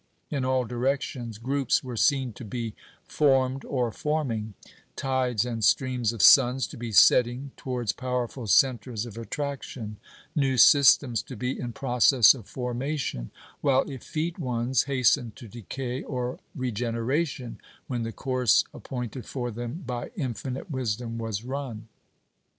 In all directions groups were seen to be formed or forming; tides and streams of suns to be setting towards powerful centres of attraction; new systems to be in process of formation, while effete ones hastened to decay or regeneration when the course appointed for them by Infinite Wisdom was run.